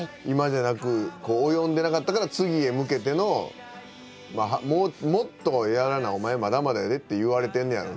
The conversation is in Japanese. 今じゃなく及んでなかったから次へ向けてのもっとやらなお前まだまだやでって言われてんね